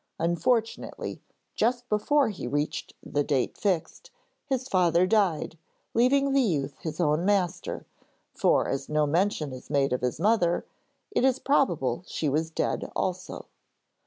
Unfortunately, just before he reached the date fixed, his father died, leaving the youth his own master for as no mention is made of his mother, it is probable she was dead also.